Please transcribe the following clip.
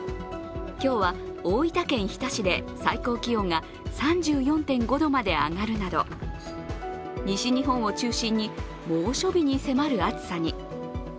今日は大分県日田市で最高気温が３４．５度まで上がるなど西日本を中心に猛暑日に迫る暑さに。